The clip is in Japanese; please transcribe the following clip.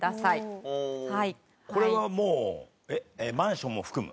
これはもうマンションも含む？